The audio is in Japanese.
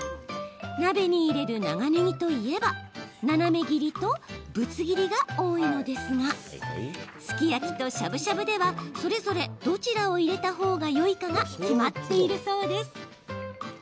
鍋に入れる長ねぎといえば斜め切りと、ぶつ切りが多いのですがすき焼きとしゃぶしゃぶではそれぞれどちらを入れたほうがよいかが決まっているそうです。